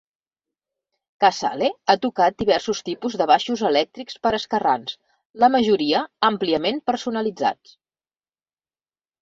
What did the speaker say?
Casale ha tocat diversos tipus de baixos elèctrics per a esquerrans, la majoria àmpliament personalitzats.